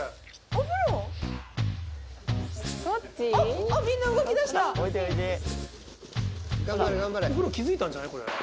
お風呂気付いたんじゃない？